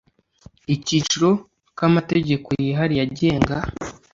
Icyiciro ka amategeko yihariye agenga